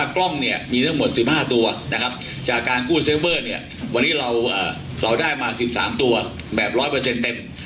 กล้องมีทั้งหมด๑๕ตัวจากการกู้เซลเวอร์วันนี้เราได้มา๑๓ตัวแบบ๑๐๐เต็ม